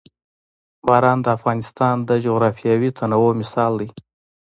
باران د افغانستان د جغرافیوي تنوع مثال دی.